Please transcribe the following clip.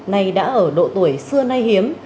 nay đã ở độ tuổi xưa nay hiếm